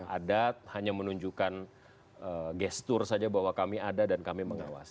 adat hanya menunjukkan gestur saja bahwa kami ada dan kami mengawasi